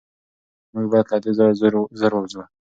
موږ باید له دې ځایه زر ووځو.